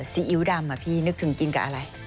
ซวยิ้วดำนึกถึงกินกับอะไร